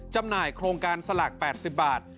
จำหน่ายโครงการสลาก๘๐บาท